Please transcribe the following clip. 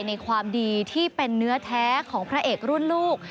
ในความดีที่เป็นเนื้อแท้ของพระเอกรุ่นลูก